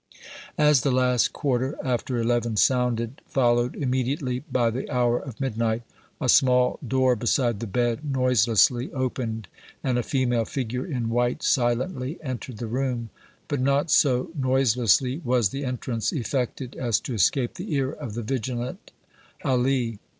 As the last quarter after eleven sounded, followed immediately by the hour of midnight, a small door beside the bed noiselessly opened, and a female figure in white silently entered the room; but not so noiselessly was the entrance effected as to escape the ear of the vigilant Ali.